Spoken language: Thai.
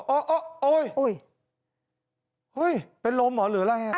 โอ๊ยเป็นล้มเหรอหรืออะไร